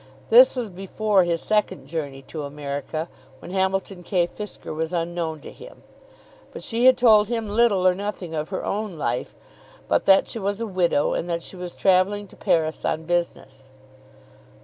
This was before his second journey to America, when Hamilton K. Fisker was unknown to him. But she had told him little or nothing of her own life, but that she was a widow, and that she was travelling to Paris on business.